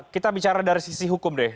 kita bicara dari sisi hukum deh